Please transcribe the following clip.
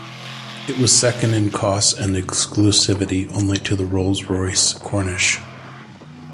It was second in cost and exclusivity only to the Rolls-Royce Corniche.